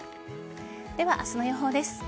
では、明日の予報です。